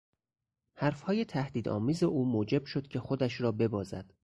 حرفهای تهدید آمیز او موجب شد که خودش را ببازد.